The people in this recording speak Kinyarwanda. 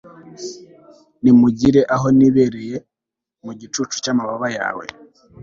nigumire aho nibereye mu gicucu cy'amababa yawe